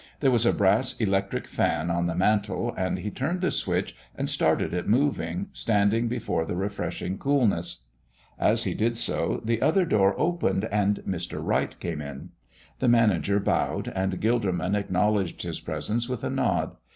There was a brass electric fan on the mantel, and he turned the switch and started it moving, standing before the refreshing coolness. As he did so the other door opened and Mr. Wright came in. The manager bowed and Gilderman acknowledged his presence with a nod.